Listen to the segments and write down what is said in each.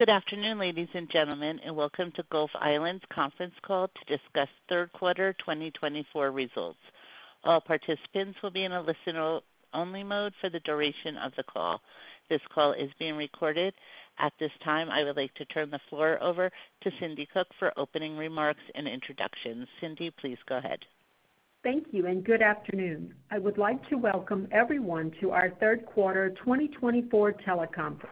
Good afternoon, ladies and gentlemen, and welcome to Gulf Island's Conference Call to Discuss Third Quarter 2024 Results. All participants will be in a listen-only mode for the duration of the call. This call is being recorded. At this time, I would like to turn the floor over to Cindi Cook for opening remarks and introductions. Cindi, please go ahead. Thank you, and good afternoon. I would like to welcome everyone to our Third Quarter 2024 Teleconference.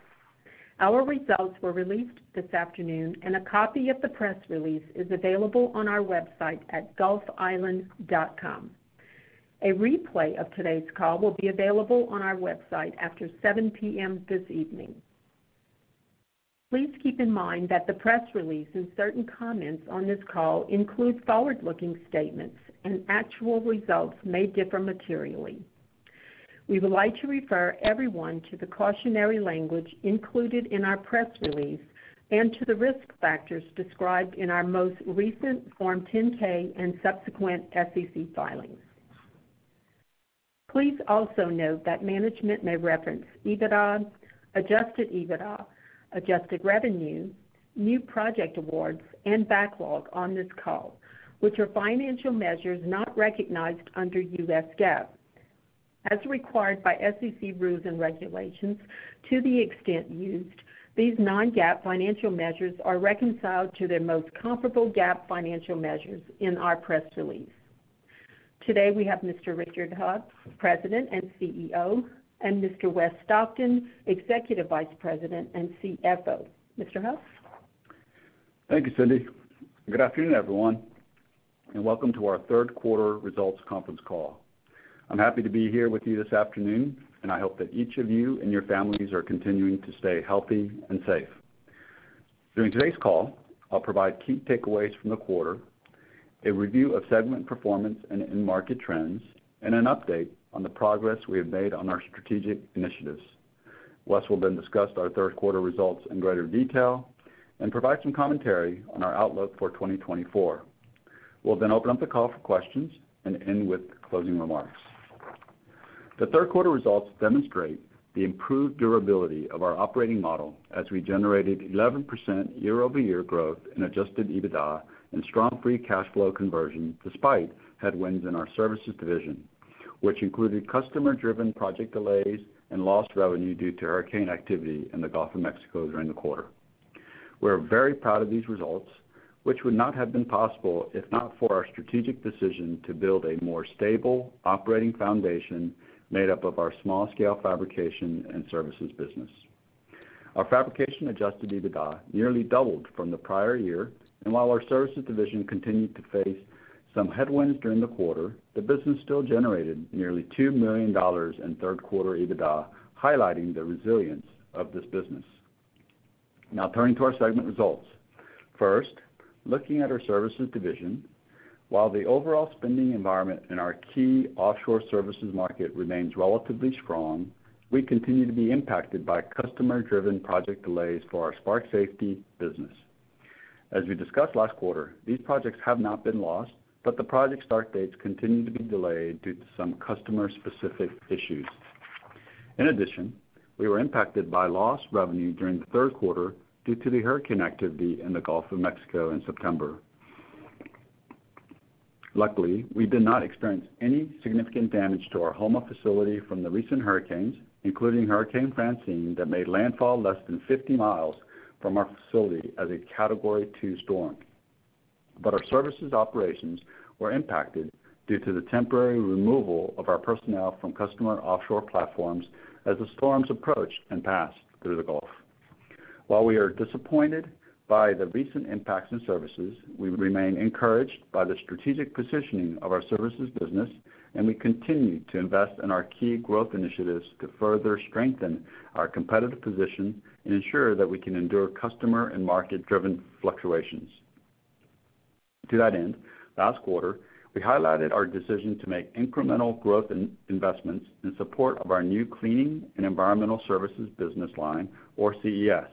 Our results were released this afternoon, and a copy of the press release is available on our website at gulfisland.com. A replay of today's call will be available on our website after 7:00 P.M. this evening. Please keep in mind that the press release and certain comments on this call include forward-looking statements, and actual results may differ materially. We would like to refer everyone to the cautionary language included in our press release and to the risk factors described in our most recent Form 10-K and subsequent SEC filings. Please also note that management may reference EBITDA, Adjusted EBITDA, adjusted revenue, new project awards, and backlog on this call, which are financial measures not recognized under U.S. GAAP. As required by SEC rules and regulations, to the extent used, these non-GAAP financial measures are reconciled to their most comparable GAAP financial measures in our press release. Today, we have Mr. Richard Heo, President and CEO, and Mr. Wes Stockton, Executive Vice President and CFO. Mr. Heo? Thank you, Cindi. Good afternoon, everyone, and welcome to our third quarter results conference call. I'm happy to be here with you this afternoon, and I hope that each of you and your families are continuing to stay healthy and safe. During today's call, I'll provide key takeaways from the quarter, a review of segment performance and end-market trends, and an update on the progress we have made on our strategic initiatives. Wes will then discuss our third quarter results in greater detail and provide some commentary on our outlook for 2024. We'll then open up the call for questions and end with closing remarks. The third quarter results demonstrate the improved durability of our operating model as we generated 11% year-over-year growth in Adjusted EBITDA and strong Free Cash Flow conversion despite headwinds in our services division, which included customer-driven project delays and lost revenue due to hurricane activity in the Gulf of Mexico during the quarter. We're very proud of these results, which would not have been possible if not for our strategic decision to build a more stable operating foundation made up of our small-scale fabrication and services business. Our fabrication Adjusted EBITDA nearly doubled from the prior year, and while our services division continued to face some headwinds during the quarter, the business still generated nearly $2 million in third quarter EBITDA, highlighting the resilience of this business. Now, turning to our segment results. First, looking at our services division, while the overall spending environment in our key offshore services market remains relatively strong, we continue to be impacted by customer-driven project delays for our Spark Safety business. As we discussed last quarter, these projects have not been lost, but the project start dates continue to be delayed due to some customer-specific issues. In addition, we were impacted by lost revenue during the third quarter due to the hurricane activity in the Gulf of Mexico in September. Luckily, we did not experience any significant damage to our Houma facility from the recent hurricanes, including Hurricane Francine, that made landfall less than 50 miles from our facility as a category two storm, but our services operations were impacted due to the temporary removal of our personnel from customer offshore platforms as the storms approached and passed through the Gulf. While we are disappointed by the recent impacts in services, we remain encouraged by the strategic positioning of our services business, and we continue to invest in our key growth initiatives to further strengthen our competitive position and ensure that we can endure customer and market-driven fluctuations. To that end, last quarter, we highlighted our decision to make incremental growth investments in support of our new Cleaning and Environmental Services business line, or CES.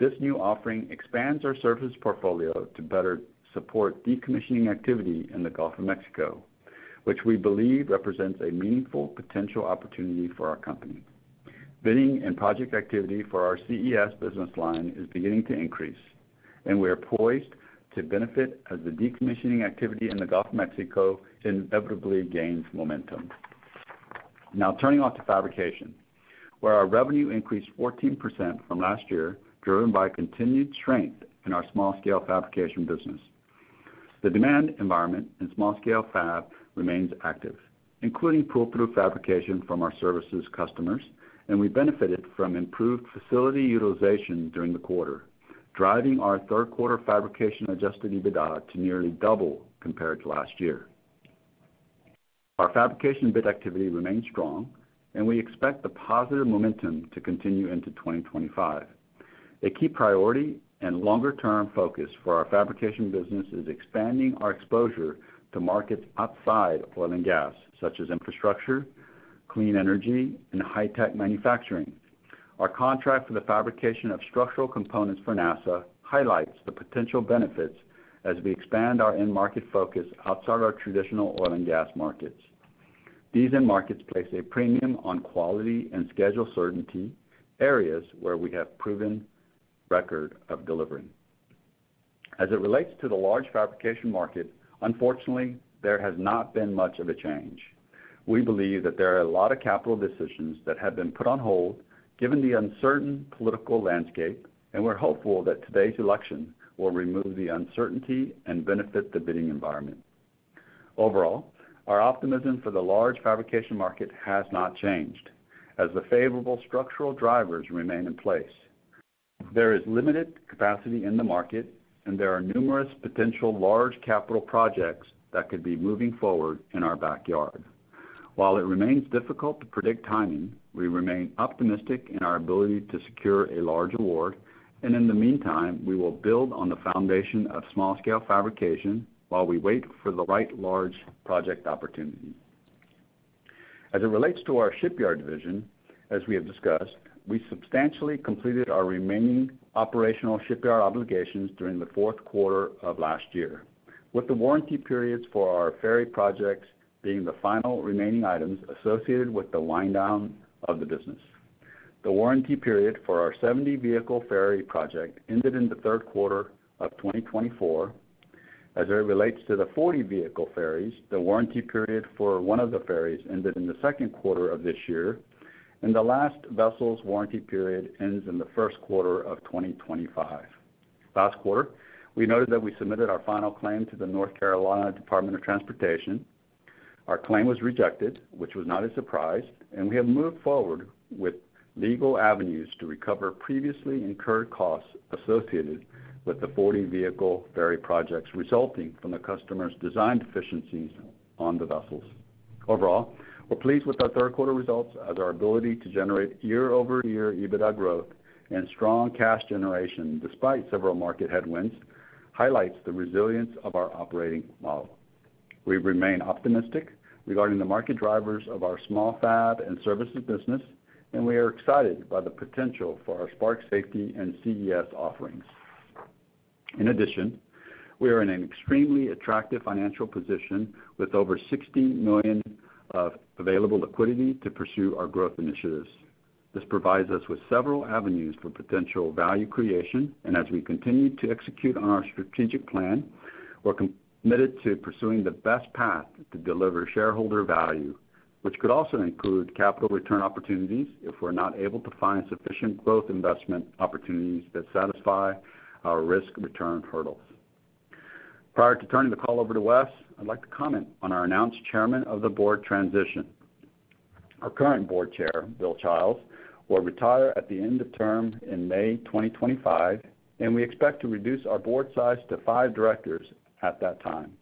This new offering expands our services portfolio to better support decommissioning activity in the Gulf of Mexico, which we believe represents a meaningful potential opportunity for our company. Bidding and project activity for our CES business line is beginning to increase, and we are poised to benefit as the decommissioning activity in the Gulf of Mexico inevitably gains momentum. Now, turning to fabrication, where our revenue increased 14% from last year, driven by continued strength in our small-scale fabrication business. The demand environment in small-scale fab remains active, including pull-through fabrication from our services customers, and we benefited from improved facility utilization during the quarter, driving our third quarter fabrication Adjusted EBITDA to nearly double compared to last year. Our fabrication bid activity remains strong, and we expect the positive momentum to continue into 2025. A key priority and longer-term focus for our fabrication business is expanding our exposure to markets outside oil and gas, such as infrastructure, clean energy, and high-tech manufacturing. Our contract for the fabrication of structural components for NASA highlights the potential benefits as we expand our end market focus outside our traditional oil and gas markets. These end markets place a premium on quality and schedule certainty, areas where we have proven record of delivering. As it relates to the large fabrication market, unfortunately, there has not been much of a change. We believe that there are a lot of capital decisions that have been put on hold given the uncertain political landscape, and we're hopeful that today's election will remove the uncertainty and benefit the bidding environment. Overall, our optimism for the large fabrication market has not changed as the favorable structural drivers remain in place. There is limited capacity in the market, and there are numerous potential large capital projects that could be moving forward in our backyard. While it remains difficult to predict timing, we remain optimistic in our ability to secure a large award, and in the meantime, we will build on the foundation of small-scale fabrication while we wait for the right large project opportunity. As it relates to our shipyard division, as we have discussed, we substantially completed our remaining operational shipyard obligations during the fourth quarter of last year, with the warranty periods for our ferry projects being the final remaining items associated with the wind-down of the business. The warranty period for our 70-vehicle ferry project ended in the third quarter of 2024. As it relates to the 40-vehicle ferries, the warranty period for one of the ferries ended in the second quarter of this year, and the last vessel's warranty period ends in the first quarter of 2025. Last quarter, we noted that we submitted our final claim to the North Carolina Department of Transportation. Our claim was rejected, which was not a surprise, and we have moved forward with legal avenues to recover previously incurred costs associated with the 40-vehicle ferry projects resulting from the customer's design deficiencies on the vessels. Overall, we're pleased with our third quarter results as our ability to generate year-over-year EBITDA growth and strong cash generation, despite several market headwinds, highlights the resilience of our operating model. We remain optimistic regarding the market drivers of our small fab and services business, and we are excited by the potential for our Spark Safety and CES offerings. In addition, we are in an extremely attractive financial position with over $60 million of available liquidity to pursue our growth initiatives. This provides us with several avenues for potential value creation, and as we continue to execute on our strategic plan, we're committed to pursuing the best path to deliver shareholder value, which could also include capital return opportunities if we're not able to find sufficient growth investment opportunities that satisfy our risk return hurdles. Prior to turning the call over to Wes, I'd like to comment on our announced chairman of the board transition. Our current board chair, Bill Chiles, will retire at the end of term in May 2025, and we expect to reduce our board size to five directors at that time.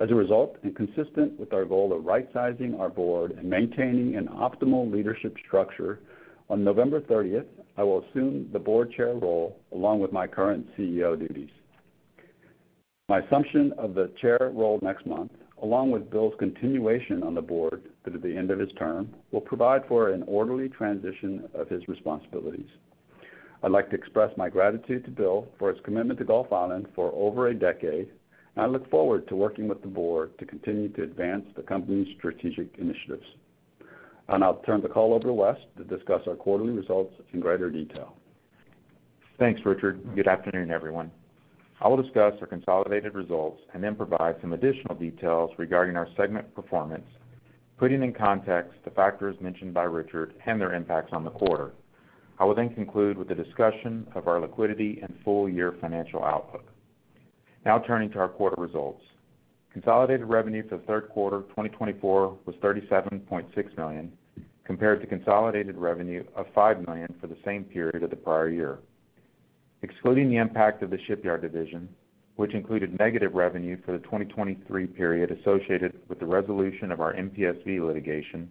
As a result, and consistent with our goal of right-sizing our board and maintaining an optimal leadership structure, on November 30th, I will assume the board chair role along with my current CEO duties. My assumption of the chair role next month, along with Bill's continuation on the board through the end of his term, will provide for an orderly transition of his responsibilities. I'd like to express my gratitude to Bill for his commitment to Gulf Island for over a decade, and I look forward to working with the board to continue to advance the company's strategic initiatives. And I'll turn the call over to Wes to discuss our quarterly results in greater detail. Thanks, Richard. Good afternoon, everyone. I will discuss our consolidated results and then provide some additional details regarding our segment performance, putting in context the factors mentioned by Richard and their impacts on the quarter. I will then conclude with a discussion of our liquidity and full-year financial outlook. Now, turning to our quarter results, consolidated revenue for the third quarter 2024 was $37.6 million compared to consolidated revenue of $5 million for the same period of the prior year. Excluding the impact of the shipyard division, which included negative revenue for the 2023 period associated with the resolution of our MPSV litigation,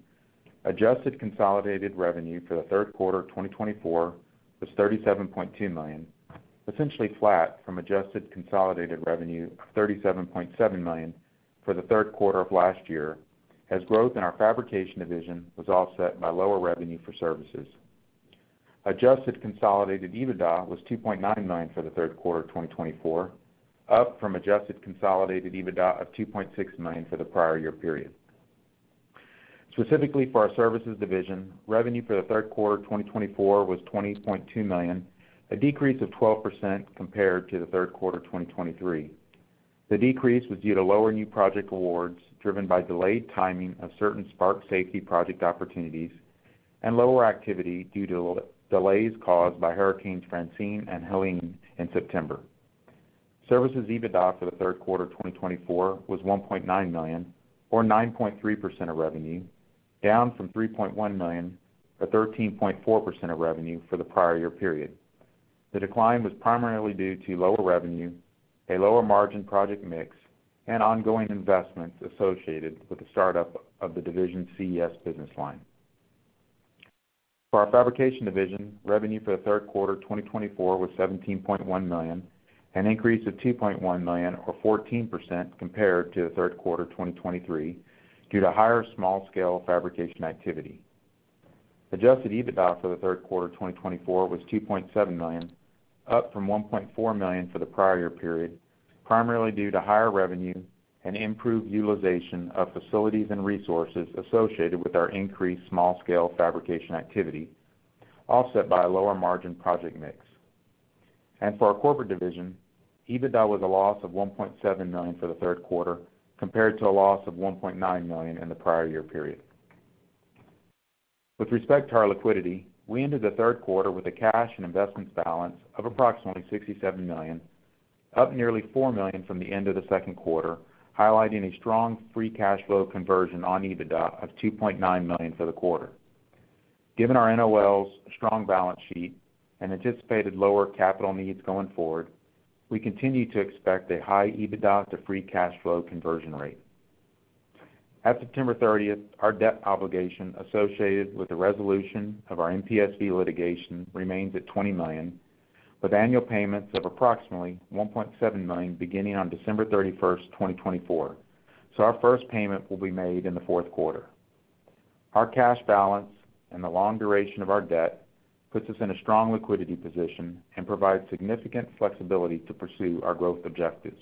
adjusted consolidated revenue for the third quarter 2024 was $37.2 million, essentially flat from adjusted consolidated revenue of $37.7 million for the third quarter of last year as growth in our fabrication division was offset by lower revenue for services. Adjusted consolidated EBITDA was $2.9 million for the third quarter 2024, up from adjusted consolidated EBITDA of $2.6 million for the prior year period. Specifically for our services division, revenue for the third quarter 2024 was $20.2 million, a decrease of 12% compared to the third quarter 2023. The decrease was due to lower new project awards driven by delayed timing of certain Spark Safety project opportunities and lower activity due to delays caused by Hurricanes Francine and Helene in September. Services EBITDA for the third quarter 2024 was $1.9 million, or 9.3% of revenue, down from $3.1 million or 13.4% of revenue for the prior year period. The decline was primarily due to lower revenue, a lower margin project mix, and ongoing investments associated with the startup of the division's CES business line. For our fabrication division, revenue for the third quarter 2024 was $17.1 million, an increase of $2.1 million, or 14% compared to the third quarter 2023 due to higher small-scale fabrication activity. Adjusted EBITDA for the third quarter 2024 was $2.7 million, up from $1.4 million for the prior year period, primarily due to higher revenue and improved utilization of facilities and resources associated with our increased small-scale fabrication activity, offset by a lower margin project mix. And for our corporate division, EBITDA was a loss of $1.7 million for the third quarter compared to a loss of $1.9 million in the prior year period. With respect to our liquidity, we ended the third quarter with a cash and investments balance of approximately $67 million, up nearly $4 million from the end of the second quarter, highlighting a strong free cash flow conversion on EBITDA of $2.9 million for the quarter. Given our NOLs strong balance sheet and anticipated lower capital needs going forward, we continue to expect a high EBITDA to free cash flow conversion rate. At September 30th, our debt obligation associated with the resolution of our MPSV litigation remains at $20 million, with annual payments of approximately $1.7 million beginning on December 31st, 2024. So our first payment will be made in the fourth quarter. Our cash balance and the long duration of our debt puts us in a strong liquidity position and provides significant flexibility to pursue our growth objectives.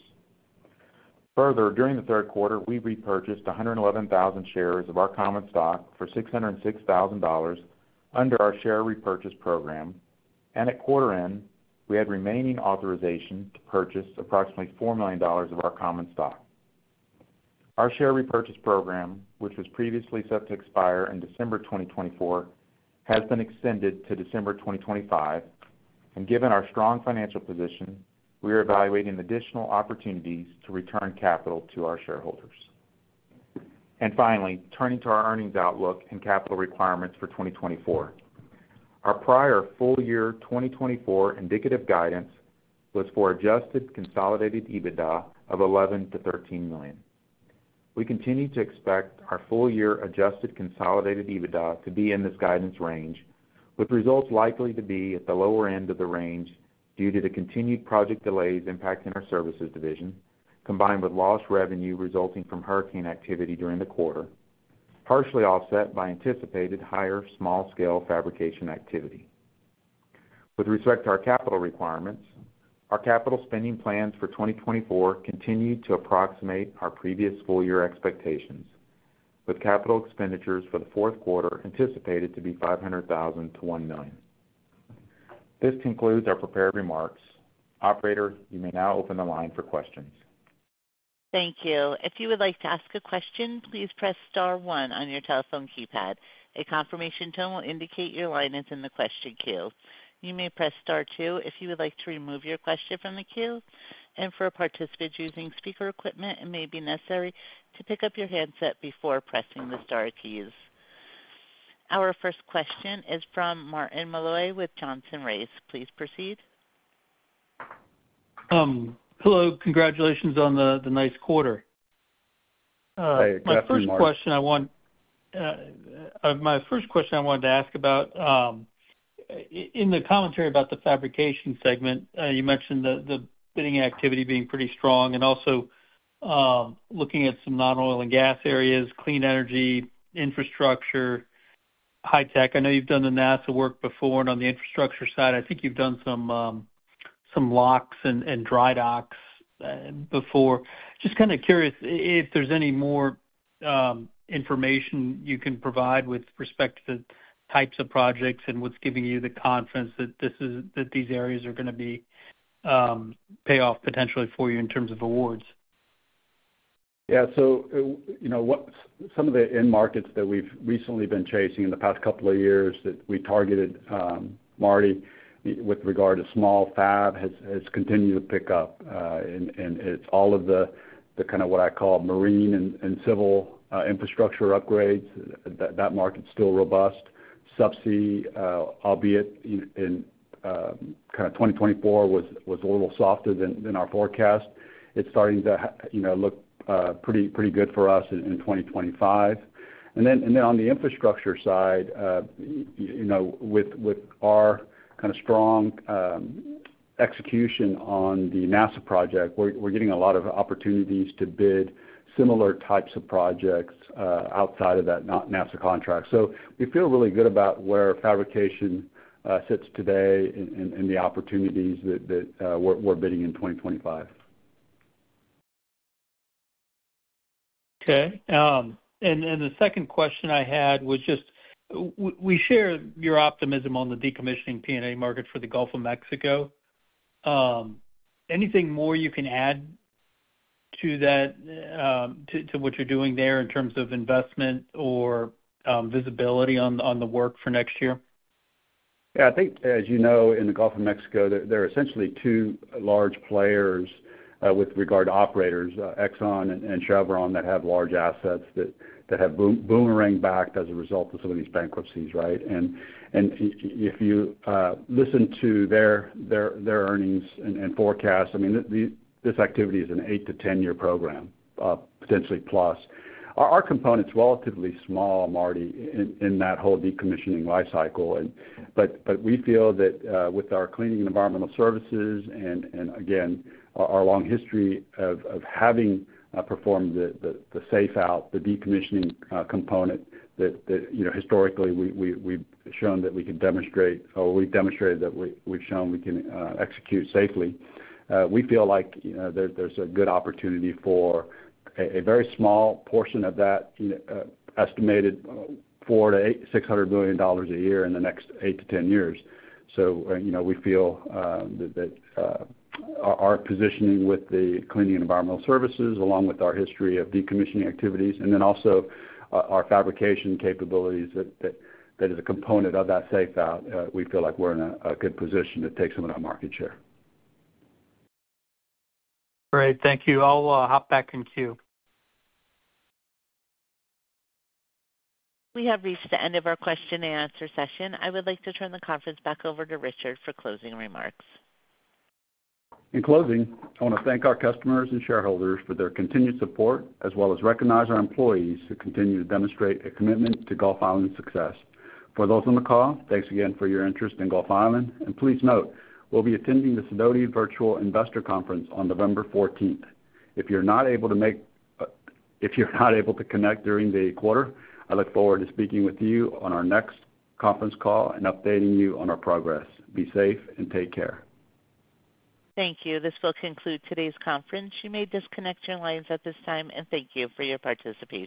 Further, during the third quarter, we repurchased 111,000 shares of our common stock for $606,000 under our share repurchase program, and at quarter end, we had remaining authorization to purchase approximately $4 million of our common stock. Our share repurchase program, which was previously set to expire in December 2024, has been extended to December 2025, and given our strong financial position, we are evaluating additional opportunities to return capital to our shareholders, and finally, turning to our earnings outlook and capital requirements for 2024. Our prior full-year 2024 indicative guidance was for Adjusted consolidated EBITDA of $11-13 million. We continue to expect our full-year Adjusted consolidated EBITDA to be in this guidance range, with results likely to be at the lower end of the range due to the continued project delays impacting our services division, combined with lost revenue resulting from hurricane activity during the quarter, partially offset by anticipated higher small-scale fabrication activity. With respect to our capital requirements, our capital spending plans for 2024 continue to approximate our previous full-year expectations, with capital expenditures for the fourth quarter anticipated to be $500,000-$1 million. This concludes our prepared remarks. Operator, you may now open the line for questions. Thank you. If you would like to ask a question, please press Star 1 on your telephone keypad. A confirmation tone will indicate your line is in the question queue. You may press Star 2 if you would like to remove your question from the queue, and for participants using speaker equipment, it may be necessary to pick up your handset before pressing the Star keys. Our first question is from Martin Malloy with Johnson Rice. Please proceed. Hello. Congratulations on the nice quarter. My first question I wanted to ask about in the commentary about the fabrication segment, you mentioned the bidding activity being pretty strong and also looking at some non-oil and gas areas, clean energy infrastructure, high-tech. I know you've done the NASA work before and on the infrastructure side. I think you've done some locks and dry docks before. Just kind of curious if there's any more information you can provide with respect to the types of projects and what's giving you the confidence that these areas are going to pay off potentially for you in terms of awards. Yeah. So some of the end markets that we've recently been chasing in the past couple of years that we targeted, Marty, with regard to small fab has continued to pick up. And it's all of the kind of what I call marine and civil infrastructure upgrades. That market's still robust. Subsea, albeit in kind of 2024, was a little softer than our forecast. It's starting to look pretty good for us in 2025. And then on the infrastructure side, with our kind of strong execution on the NASA project, we're getting a lot of opportunities to bid similar types of projects outside of that NASA contract. So we feel really good about where fabrication sits today and the opportunities that we're bidding in 2025. Okay. And the second question I had was just we share your optimism on the decommissioning P&A market for the Gulf of Mexico. Anything more you can add to what you're doing there in terms of investment or visibility on the work for next year? Yeah. I think, as you know, in the Gulf of Mexico, there are essentially two large players with regard to operators, Exxon and Chevron, that have large assets that have boomeranged back as a result of some of these bankruptcies, right? And if you listen to their earnings and forecast, I mean, this activity is an 8-10-year program, potentially plus. Our component's relatively small, Marty, in that whole decommissioning life cycle. But we feel that with our Cleaning and Environmental Services and, again, our long history of having performed the safe out, the decommissioning component that historically we've shown that we can demonstrate, or we've demonstrated that we've shown we can execute safely, we feel like there's a good opportunity for a very small portion of that estimated $400-$600 million a year in the next 8-10 years. So we feel that our positioning with the Cleaning and Environmental services, along with our history of decommissioning activities, and then also our fabrication capabilities that is a component of that safe out, we feel like we're in a good position to take some of that market share. All right. Thank you. I'll hop back in queue. We have reached the end of our question and answer session. I would like to turn the conference back over to Richard for closing remarks. In closing, I want to thank our customers and shareholders for their continued support, as well as recognize our employees who continue to demonstrate a commitment to Gulf Island success. For those on the call, thanks again for your interest in Gulf Island. And please note, we'll be attending the Sidoti Virtual Investor Conference on November 14th. If you're not able to make it, if you're not able to connect during the quarter, I look forward to speaking with you on our next conference call and updating you on our progress. Be safe and take care. Thank you. This will conclude today's conference. You may disconnect your lines at this time, and thank you for your participation.